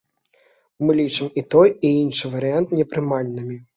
Мы лічым і той, і іншы варыянт непрымальным.